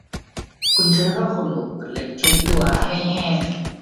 คุณใช้ผ้าขนหนูผืนเล็กนี้เช็ดตัวให้แห้งได้